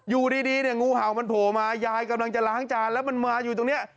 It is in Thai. อยู่ดีเนี่ยงูเห่ามันโผล่มายายกำลังจะล้างจานแล้วมันมาอยู่ตรงนี้